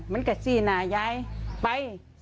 มันก็สี่นะย้ายป่าย